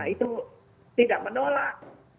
itu tidak menolak